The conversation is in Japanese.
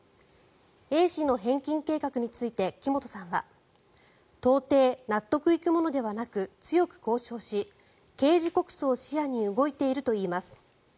Ａ氏の返金計画について木本さんは到底納得いくものではなく強く交渉し刑事告訴を視野に動いているといいます。